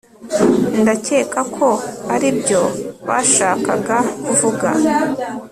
Ndakeka ko aribyo bashakaga kuvuga